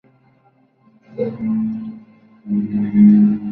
Luego consiguió un papel de reparto en "Te presento a Laura".